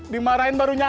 dimarahin baru nyala